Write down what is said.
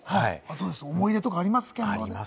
思い出とかありますか？